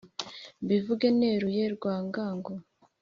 Mbivuge neruye Rwangango